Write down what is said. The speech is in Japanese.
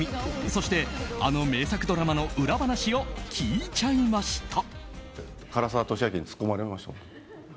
そして、あの名作ドラマの裏話を聞いちゃいました。